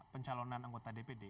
pencalonan anggota dpd